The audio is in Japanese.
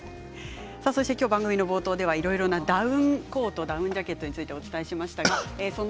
番組の冒頭ではいろいろなダウンコート、ダウンジャケットについてお伝えしました。